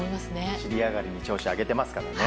尻上がりに調子を上げてますからね。